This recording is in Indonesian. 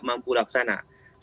ini yang harus dilaksanakan